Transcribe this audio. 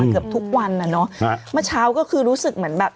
เกือบทุกวันอ่ะเนอะฮะเมื่อเช้าก็คือรู้สึกเหมือนแบบ